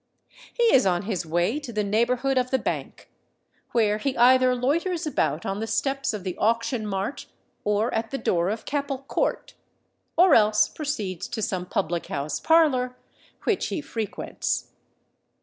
He is on his way to the neighbourhood of the Bank, where he either loiters about on the steps of the Auction Mart, or at the door of Capel Court, or else proceeds to some public house parlour "which he frequents."